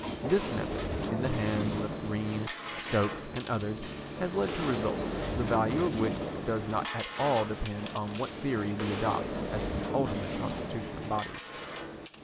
This method, in the hands of Green, Stokes, and others, has led to results, the value of which does not at all depend on what theory we adopt as to the ultimate constitution of bodies.